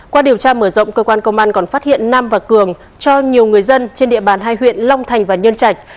qua điều tra mở rộng cơ quan công an còn phát hiện nam và cường cho nhiều người dân trên địa bàn hai huyện long thành và nhân trạch